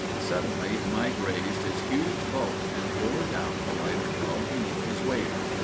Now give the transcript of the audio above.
Suddenly Mike raised his huge bulk and bore down the lighter dog beneath his weight.